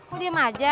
oh diam aja